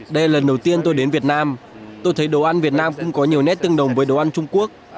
đây là lần đầu tiên tôi đến việt nam tôi thấy đồ ăn việt nam cũng có nhiều nét tương đồng với đồ ăn trung quốc